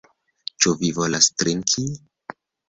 Ĉu vi volas trinki?